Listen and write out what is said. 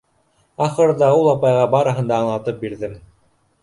Ахырҙа, ул апайға барыһын да аңлатым бирҙем.